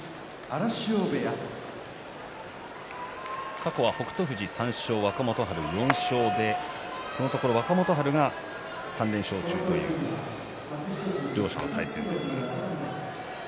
過去は北勝富士の３勝若元春の３勝でこのところ若元春が３連勝中という両者の対戦です。